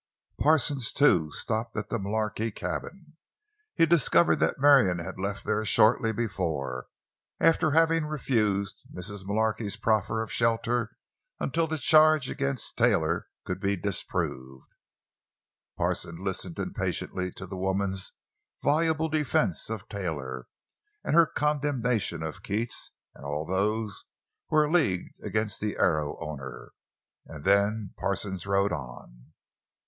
Parsons, too, stopped at the Mullarky cabin. He discovered that Marion had left there shortly before, after having refused Mrs. Mullarky's proffer of shelter until the charge against Taylor could be disproved. Parsons listened impatiently to the woman's voluble defense of Taylor, and her condemnation of Keats and all those who were leagued against the Arrow owner. And then Parsons rode on.